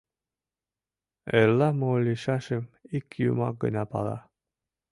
Эрла мо лийшашым ик Юмак гына пала.